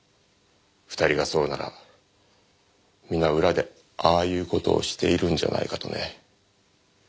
２人がそうなら皆裏でああいう事をしているんじゃないかとね。